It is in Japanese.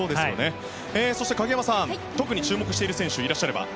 そして影山さん特に注目している選手いらっしゃれば。